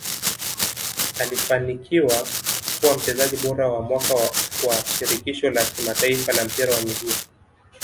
alifanikiwa kuwa mchezaji bora wa mwaka wa shirikisho la kimataifa la mpira wa miguu